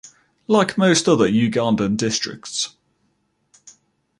Like most other Ugandan districts.